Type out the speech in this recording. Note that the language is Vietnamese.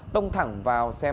tông thẳng vào đường phú cường